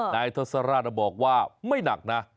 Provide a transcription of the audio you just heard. นายทศราชบอกว่าไม่หนักนะ